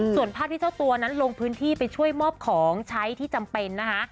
ส่วนภาพที่เจ้าตัวนั้นลงพื้นที่ไปช่วยมอบของใช้ที่จำเป็นนะคะ